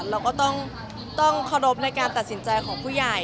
เราก็ต้องเคารพในการตัดสินใจของผู้ใหญ่